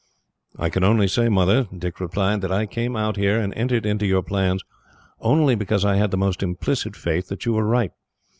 "I can only say, Mother," Dick replied, "that I came out here, and entered into your plans, only because I had the most implicit faith that you were right.